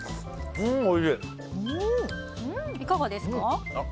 いかがですか？